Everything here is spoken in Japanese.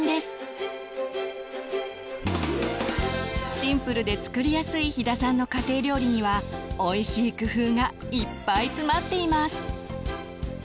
シンプルで作りやすい飛田さんの家庭料理にはおいしい工夫がいっぱい詰まっています。